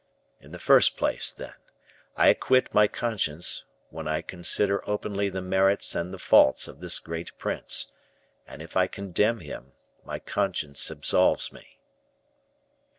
In the first place, then, I acquit my conscience, when I consider openly the merits and the faults of this great prince; and if I condemn him, my conscience absolves me."